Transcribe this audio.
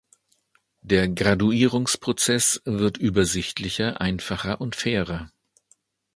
Der Graduierungsprozess wird übersichtlicher, einfacher und fairer.